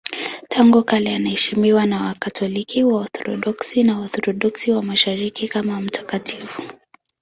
Tangu kale anaheshimiwa na Wakatoliki, Waorthodoksi na Waorthodoksi wa Mashariki kama mtakatifu.